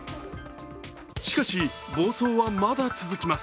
しかし、暴走はまだ続きます。